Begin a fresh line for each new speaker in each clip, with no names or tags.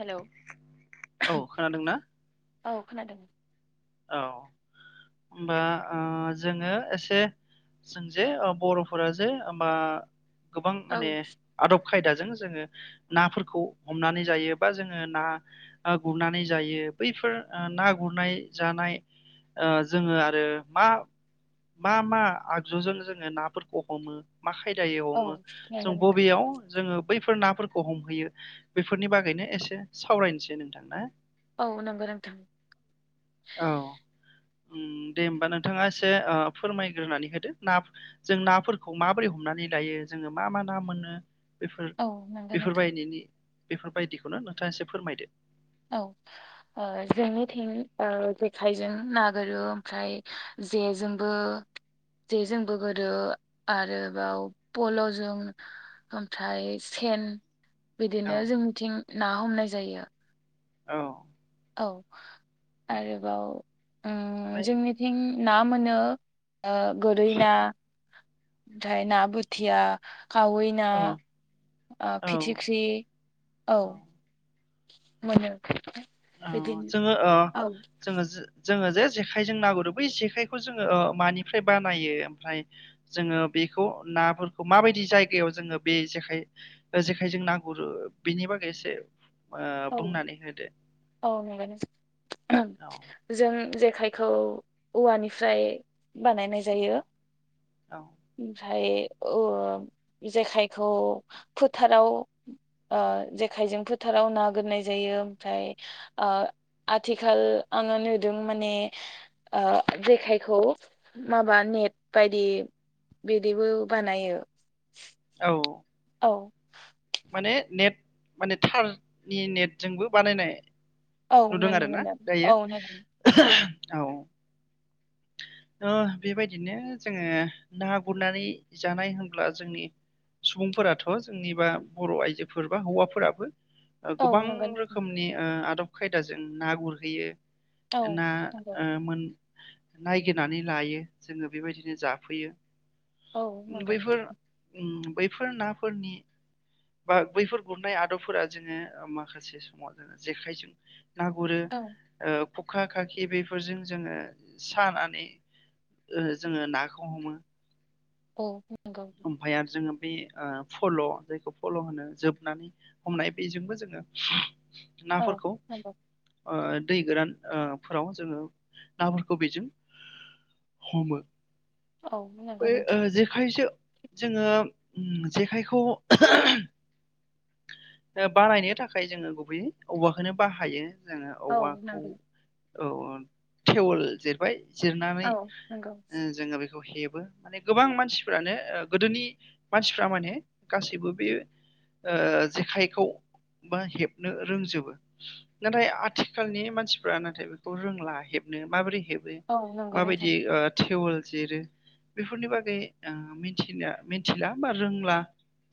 Hello
औ खोनादोंना
औ खोनादों
औ होमबा ओ जोङो एसे जों जे ओ बर'फोरा जे होमबा गोबां
औ
माने आदब खायदाजों जोङो नाफोरखौ हमनानै जायो बा जोङो ना गुरनानै जायो बैफोर ना गुरनाय जानाय ओ जोङो आरो मा मा मा आगजुजों जोङो नाफोरखौ हमो मा खायदायै हमो जों
नंगौ नोंथां
बबेयाव जोङो बैफोर नाफोरखौ हमहैयो बेफोरनि बागैनो एसे सावरायनोसै नोंथां ना
औ नंगौ नोंथां
औ ओम दे होमबा नोंथाङा एसे ओ फोरमायग्रोनानै होदो ना जों नाफोरखौ माबोरै हमनानै लायो जोङो मा मा ना मोनो बेफोर
औ नंगौ
बेफोर
नोंथां
बायदिनि बेफोर बायदिखौनो नोंथाङा एसे फोरमायदो
औ ओ जोंनिथिं ओ जेखाइजों ना गोरो ओमफ्राय जेजोंबो [inaudible] जेजोंबो गोरो आरोबाव पल'जों ओमफ्राय सेन
औ
बिदिनो जोंनिथिं ना हमनाय जायो।
औ
औ
ओमफ्राय
आरोबाव उम जोंनिथिं ना मोनो ओ गोरै ना ओमफ्राय ना बोथिया खावै ना
औ
ओ
औ
फिथिख्रि औ मोनो
औ
बिदिनो
जोङो ओ
औ
जोङो जोङो जे जेखायजों नागुरो बै जेखायखौ जोङो ओ मानिफ्राय बानायो ओमफ्राय जोङो बे- खौ नाफोरखौ माबायदि जायगायाव जोङो बे जेखाइ ओ जेखाइजों ना गुरो बेनि बागै एसे ओ
औ
बुंनानै होदो।
औ [unintelligible] एहम
औ
जों जेखायखौ औवानिफ्राय बानायनाय जायो।
औ।
ओमफ्राय ओ जेखायखौ फोथाराव ओ जेखायजों फोथाराव ना गुरनाय जायो ओमफ्राय ओ आथिखाल आङो नुदों माने ओ जेखायखौ माबा नेट बायदि बिदिबो बानायो।
औ
औ।
माने नेट माने थारनि नेटजोंबो बानायनाय
औ
नुदों
नुनो
आरोना
मोनदों औ
दायो
नुदों
औ। [inaudible] त' बेबायदिनो जोङो ना गुरनानै जानाय होनब्ला जोंनि सुबुंफोराथ' जोंनि बा बर' आइजोफोर बा हौवाफोराबो ओ
औ
गोबां
नंगौ
रोखोमनि ओ आदब खायदाजों ना गुरहैयो।
औ
ना
नंगौ
ओ मोन- नायगिरनानै लायो जोङो बेबायदिनो
औ
जाफैयो।
नंगौ
बैफोर, ओम बैफोर नाफोरनि बा बैफोर गुरनाय आदबफोरा ओ जोङो माखासे समाव जोङो जेखाइजों ना गुरो
औ
ओ खखा, खाखि बेफोरजों जोङो सानानै ओ जोङो नाखौ हमो।
औ। नंगौ
ओमफाय आरो जोङो बे ओ फल' जायखौ फल' होनो जोबनानै हमनाय बेजोंबो जोङो
औ
नाफोरखौ
नंगौ
ओ दै गोरान ओ फोराव जोङो नाफोरखौ बेजों हमो।
औ नंगौ
बै ओ
नोंथां
जेखाइसो जोङो जेखाइखौ एहम ओ बानायनो थाखाय जोङो गुबैयै औवाखौनो बाहायो। जोङो
औ
औवाखौ
नंगौ
औ थेवेल जिरबाय जिरनानै
औ नंगौ
जोङो बेखौ हेबो माने गोबां मानसिफोरानो गोदोनि मानसिफ्रा माने गासैबो बेयो ओ जेखाइखौ बा हेबनो रोंजोबो। नाथाय आथिखालनि मानसिफ्रा नाथाय बेखौ रोंला हेब- नो माबोरै हेबो
औ नंगौ नोंथां
माबायदि ओ थेवेल जिरो बेफोरनि बागै ओ मिथिनो मिथिला बा रोंला-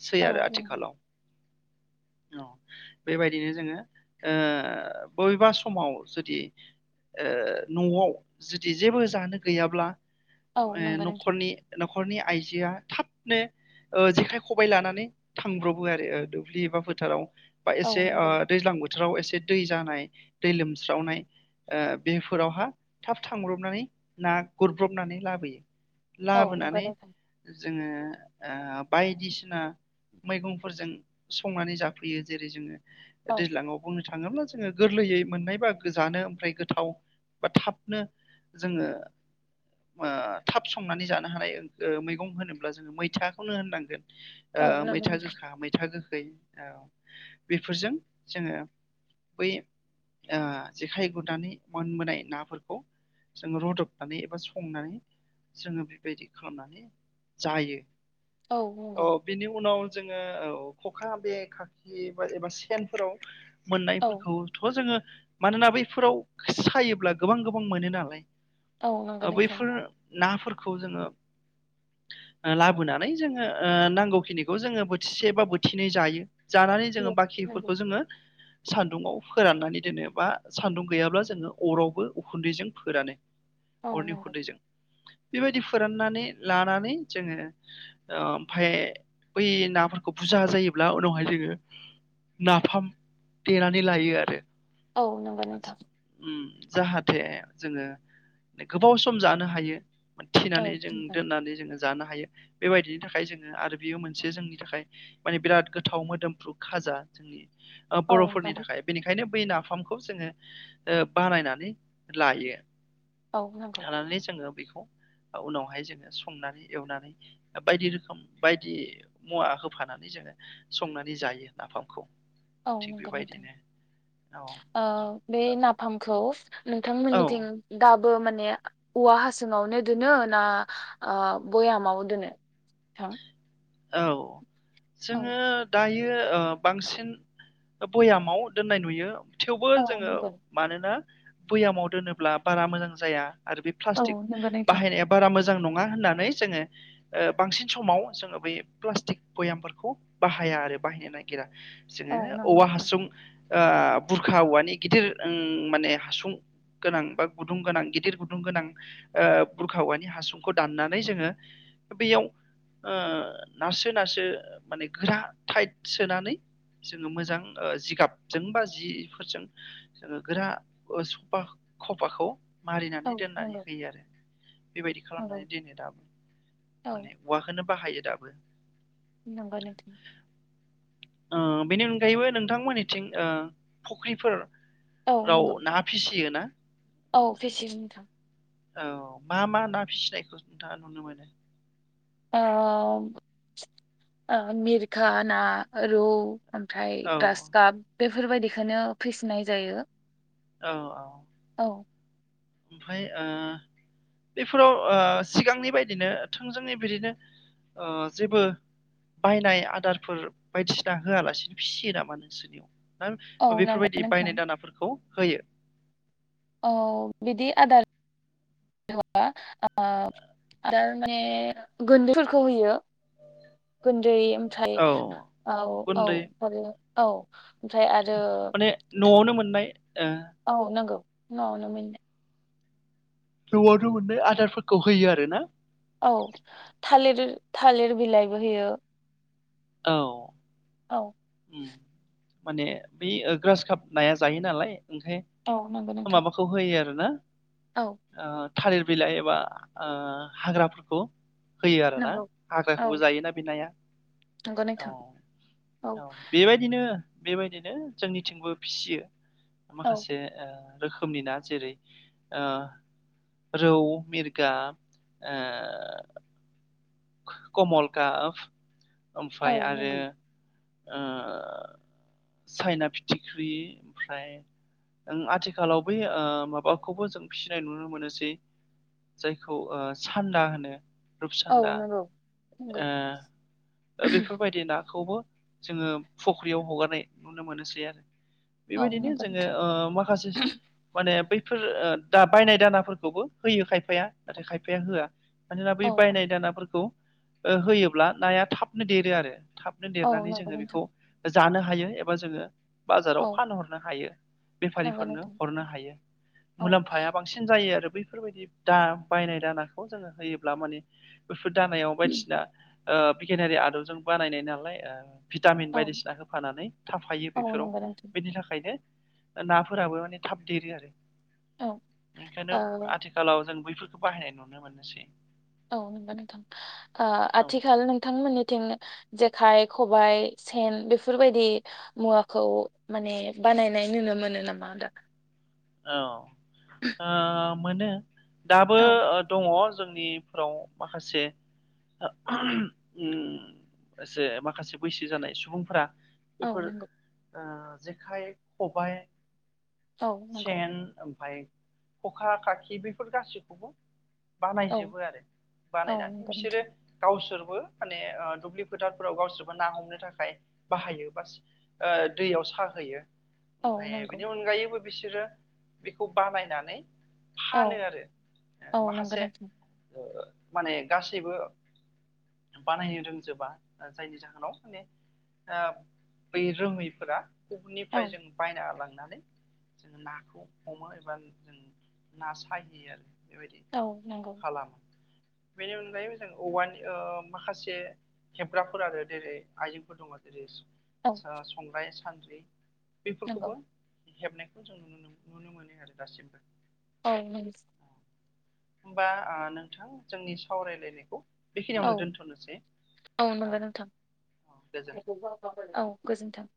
सै
औ
आरो
नंगौ
आथिखालाव। औ बेबायदिनो जोङो ओ बबेबा समाव जुदि ओ न'आव जुदि जेबो जानो गैयाब्ला
औ
ओ
नंगौ नोंथां
न'खरनि न'खरनि आइजोआ थाबनो ओ जेखाय खबाइ लानानै थांब्र- बो आरो ओ दुब्लि एबा फोथाराव बा
औ
एसे ओ
नंगौ
दैज्लां बो- थोराव एसे दै जानाय दै लोमस्रावनाय ओ बेफोरावहा थाब थांब्रबनानै ना गुरब्रबनानै लाबोयो।
औ नंगौ
लाबोनानै
नोंथां
जोङो ओ बायदिसिना मैगं- फोरजों संनानै जाफैयो। जेरै जोङो
औ
दैज्लांआवबो थाङोब्ला जोङो गोरलैयै मोननाय बागो जानो ओमफ्राय गोथाव बा थाबनो जोङो ओ थाब संनानै जानो हानाय ओ मैगं होनोब्ला जोङो मैथाखौनो होननांगोन
औ
ओ
नां
मैथा
[unintelligible]
गोखा मैथा गोखै औ बेफोरजों जोङो बै ओ जेखाइ गुरनानै मोनबोनाय नाफोरखौ। जोङो रुदबनानै एबा संनानै जोङो बेबायदि खालामनानै जायो औ बिनि उनाव। जोङो औ खखा बे खाखि बा एबा सेनफोराव
औ
मोननायफोरखौथ' जोङो मानोना बैफोराव सायोब्ला गोबां गोबां मोनो नालाय
औ नंगौ नोंथां।
बैफोर नाफोरखौ जोङो लाबोनानै जोङो ओ नांगौखिनि खौ जोङो बोथिसे बा बोथिनै जायो जानानै जोङो
नंगौ
बाखिफोरखौ जोङो। सान्दुंङाव फोराननानै दोनो बा सान्दुं गैयाब्ला जोङो अरावबो उखुन्दैजों फोरानो
औ
अरनि
नंगौ
उखुन्दैजों। बेबायदि फोराननानै लानानै जोङो ओमफाय। बै नाफोरखौ बुरजा जायोब्ला उनावहाय जोङो। नाफाम देनानै लायो आरो
औ नंगौ नोंथां।
उम जाहाथे जोङो गोबाव सम जानो हायो
औ
थिनानै जों
नंगौ
दोननानै जोङो जानो हायो बेबायदिनि थाखाय जोङो आरो। बेयो मोनसे जोंनि थाखाय माने बिराद गोथाव मोदोमफ्रु खाजा जोंनि।
औ
बर'फोरनि
नंगौ
थाखाय बेनिखायनो। बै नाफामखौ जोङो बानायनानै लायो।
औ नंगौ
[unintelligible] उनावहाय जोङो संनानै एवनानै बायदि रोखोम बायदि मुवा होफानानै जोङो संनानै जायो नाफामखौ
औ
थिग
नंगौ नोंथां
बेबायदिनो औ
ओ बे नाफामखौ
औ
नोंथांमोननिथिं दाब बो माने औवा हासुंङावनो दोनो ना ओ बयामाव दोनो ह
औ जोङो दायो यो ओ बांसिन बयामाव दोननाय नुयो थेवबो
औ
जोङो
नंगौ
मानोना बैयामाव दोनोब्ला बारा मोजां जाया आरो बे
औ
प्लास्टिक
नंगौ नोंथां
बाहायनाया बारा मोजां नङा होननानै जोङो ओ बांसिन। समाव जोङो बै प्लास्टिक बयामफोरखौ बाहाया आरो बाहायनो नागिरा
औ
जोङो
नंगौ
औवा
नोंथां
हासुं ओ बुरखा औवानि गिदिर ओं माने हासुं गोनां बा गुदुं गोनां गिदिर गुदुं गोनां ओ बुरखावानि हासुंखौ दाननानै जोङो। बेयाव ओ नारसो नारसो माने गोरा टाइट सोनानै। जोङो मोजां ओ जिगाबजों बा जिफोरजों जोङो गोरा सफा खफाखौ
औ
मारिनानै दोननानै
नंगौ
होयो आरो बेबायदि
नंगौ
खालामनानै दोनो दाबो
औ
माने औवाखौनो बाहायो दाबो।
नंगौ नोंथां
ओ बेनि अनगायैबो नोंथांमोननिथिं ओ फुख्रिफोर।
औ
राव
नंगौ
ना फिसियो ना?
औ फेसियो नोंथां।
औ मा मा ना फिसिनायखौ नोंथाङा नुनो मोनो।
ओ ओ ओ मिरखा ना रौ। ओमफ्राय
औ
गास काप बेफोरबायदिखौनो फिसिनाय जायो।
औ औ
औ
ओमफ्राय ओ बेफोराव ओ सिगांनि बायदिनो थोंजोङै बिदिनो ओ जेबो बायनाय आदारफोर बायदिसिना होआलासिनो फिसियो नामा नोंसोरनियाव
औ नंगौ
बेफोरबायदि
नोंथां
बायनाय दानाफोरखौ होयो।
औ बिदि आदार [unintelligible] आ आदार माने गुन्दैफोरखौ होयो गुन्दै ओमफ्राय
औ
औ औ
गुन्दै
आरो औ ओमफ्राय आरो
माने न'आवनो मोननाय ओ
औ नंगौ न' नोमेन
ज'आवनो मोननाय आदारफोरखौ होयो आरो ना
औ थालिर थालिर बिलाइबो होयो
औ
औ
उम माने बै ग्रास काब नाया जायो नालाय ओंखाय
औ नंगौ नोंथां
माबाखौ होयो आ रोना
औ
ओ थालिर बिलाइ एबा ओ हाग्राफोरखौ होयो आरो ना
नंगौ औ
हाग्राखौबो जायोना बि नाया
नंगौ
औ
नोंथां
औ बेबायदिनो बेबायदिनो जोंनिथिंबो फिसियो
औ
माखासे ओ रोखोमनि ना जेरै ओ रौ मिरका ओ कमल काब
औ
ओमफ्राय आरो
नंगौ
ओ साइना फिथिख्रि ओमफ्राय ओं आथिखालाव बै ओ माबाखौबो जों फिसिनाय नुनो मोनोसै जायखौ ओ सान्दा होनो रुप
औ
सान्दा
नंगौ नंगौ
ओह ओ बेफोरबायदि नाखौबो जोङो फख्रियाव हगारनाय नुनो मोनोसै आरो
औ
बेबायदिनो
नंगौ
जोङो
नोंथां
ओ माखासेस माने बै फोर ओ दा बायनाय दानाफोरखौबो होयो खायफाया नाथाय खायफाया होआ मानोना बै
औ
बायनाय
नंगौ।
दानाफोरखौ उ होयोब्ला नाया थाबनो देरो आरो थाबनो
औ
देरनानै
नंगौ
जोङो
नोंथां
बेखौ जानो हायो एबा जोङो बाजाराव
औ
फानहरनो हायो
नंगौ
बेफारिफोरनो
नोंथां
हरनो हायो।
औ
मुलाम्फाया बांसिन जायो आरो बैफोरबायदि दा बायनाय दानाखौ जोङो होयोब्ला माने बेफोर दानायाव बायदिसिना ओ भेकेनारि आदबजों बानायनाय नालाय भिटामिन
औ
बायदिसिना होफानानै थाफायो
औ
बेफोराव
नंगौ नोंथां
बेनि थाखायनो ना फोराबो माने थाब देरो आरो
औ
बेखायनो
ओ
आथिखालाव जों बै फोरखौ बाहायनाय नुनो मोनोसै
औ नंगौ नोंथां ओ आथिखाल नोंथांमोननि थिं जेखाय खबबाय सेन बेफोरबायदि मुवाखौ माने बानायनाय नुनो मोनो नामा दा
औ ओ मोनो दाबो
औ
ओ दङ जोंनिफोराव माखासे [unintelligible] उम से माखासे बैसो जानाय सुबुंफोरा
औ
बेफोर
नंगौ
ओ जेखाइ खबायाइ
औ नंगौ
सेन ओमफफ्राय खखा खाखि बेफोर गासैखौबो
औ
बानायजोबो आरो
औ
बानायनानै
नंगौ
बिसोरो
नोंथां
गावसोर दुब्लि फोथाराव गावसोरबो ना हमनो थाखाय बाहायो बा ओ दैयाव साहैयो
औ
ओमफ्राय
नंगौ
बिनि अनगायैबो बिसोरो बेखौ बानायनानै
औ
फानो आरो ऐ
औ नंगौ
माखासे
नोंथां
ओ माने गासैबो बानायनो रोंजोबा जायनि जाहोनाव माने बै रोङैफोरा
औ
गुबुननिफ्राय जों बायना लांनानै जोङो नाखौ हमो एबा जों ना साहयो आरो बेबायदि
औ नंगौ
खालामा बेनि अनगायै मोजां औवानि ओ माखासे खेब्राफोर आरो जेरै आइजेंफोर दं जेरै
औ
संग्राय सान्द्रि
नंगौ
बेफोरखौबो हेबनाय खौ जों न नुनो मोनो आरो दासिमबो
औ
होमबा नोंथां ओ जोंनि सावरायलायनायखौ
औ
बेखिनियावनो दोनथ'नोसै
औ नंगोन नोंथां
औ गोजोन्थों
औ गोजोन्थों